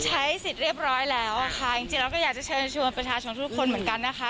ใช้สิทธิ์เรียบร้อยแล้วค่ะจริงแล้วก็อยากจะเชิญชวนประชาชนทุกคนเหมือนกันนะคะ